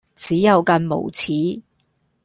只有更無恥